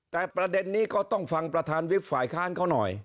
แต่ประเด็นนี้ก็ต้องฟังประธานวิบฝ่ายค้านเขาหน่อย